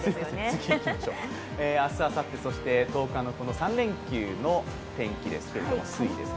明日あさって、そして１０日の３連休の天気の推移です。